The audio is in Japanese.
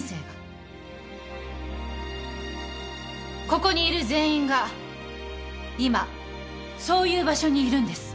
ここにいる全員が今そういう場所にいるんです。